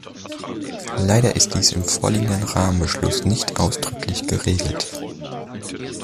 Leider ist dies im vorliegenden Rahmenbeschluss nicht ausdrücklich geregelt.